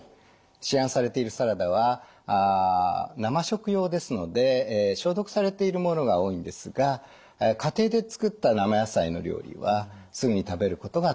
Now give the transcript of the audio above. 市販されているサラダは生食用ですので消毒されているものが多いんですが家庭で作った生野菜の料理はすぐに食べることが大切かと思います。